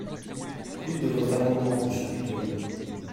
Quid de votre amendement, monsieur Pupponi?